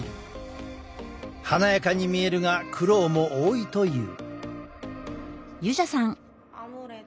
華やかに見えるが苦労も多いという。